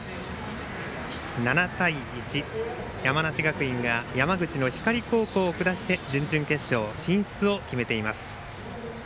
７対１、山梨学院が山口の光高校を下して準々決勝進出を決めています。